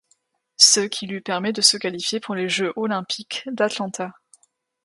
Ce qui lui permet de se qualifier pour les Jeux olympiques d'Atlanta.